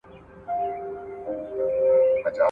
ایا کورني سوداګر شین ممیز ساتي؟